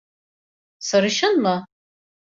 Sarışın mı?